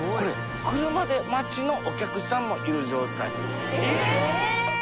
車で待ちのお客さんもいる状態。